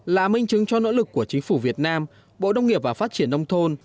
là minh chứng cho nỗ lực của chính phủ việt nam bộ đông nghiệp và phát triển nông thôn